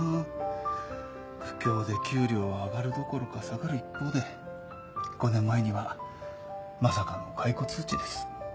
不況で給料は上がるどころか下がる一方で５年前にはまさかの解雇通知です。